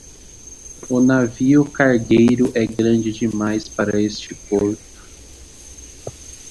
O navio cargueiro é grande demais para este porto.